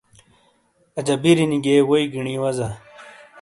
اجا بِیرینی گئیے ووئی گینی وزا۔